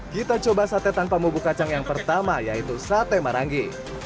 kita coba sate tanpa bubuk kacang yang pertama yaitu sate marangi